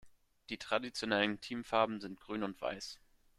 Die traditionellen Teamfarben sind grün und weiß.